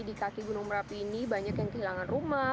di kaki gunung merapi ini banyak yang kehilangan rumah